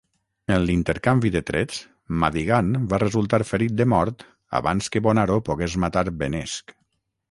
En l'intercanvi de trets, Madigan va resultar ferit de mort abans que Bonaro pogués matar Benesch.